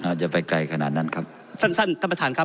อาจจะไปไกลขนาดนั้นครับท่านสั้นท่านประธานครับ